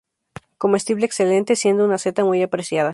Comestible excelente, siendo una seta muy apreciada.